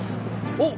おっ！